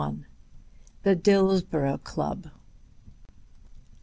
THE DILLSBOROUGH CLUB.